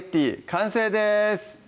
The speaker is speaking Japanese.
完成です